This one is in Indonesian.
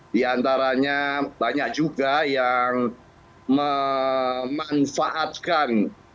di antaranya banyak juga yang memanfaatkan